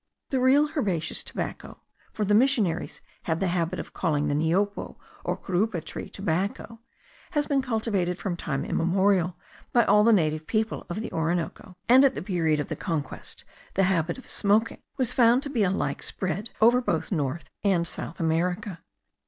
The real herbaceous tobacco* (for the missionaries have the habit of calling the niopo or curupa tree tobacco) has been cultivated from time immemorial by all the native people of the Orinoco; and at the period of the conquest the habit of smoking was found to be alike spread over both North and South America.